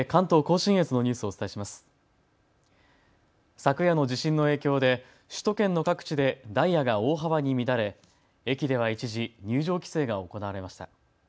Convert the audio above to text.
昨夜の地震の影響で首都圏の各地でダイヤが大幅に乱れ駅では一時、入場規制が行われました。